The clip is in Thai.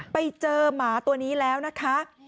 ไปเจอหมาตัวนี้แล้วนะคะ